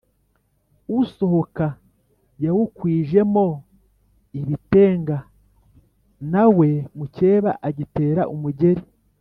Usohoka yawukwijemo ibitenga, na we mukeba agitera umugeli,